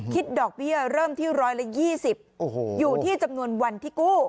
คิดดอกเบี้ยเริ่มที่ร้อยละยี่สิบอยู่ที่จำนวนวันที่กู้